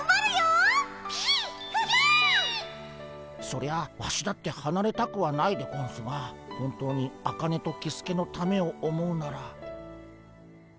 そりゃワシだってはなれたくはないでゴンスが本当にアカネとキスケのためを思うなら。